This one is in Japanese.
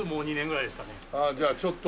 ああじゃあちょっと。